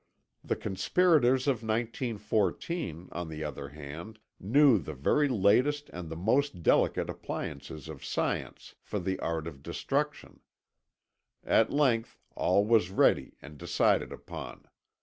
The conspirators of 1914, on the other hand, knew the very latest and the most delicate appliances of science for the art of destruction. At length all was ready and decided upon.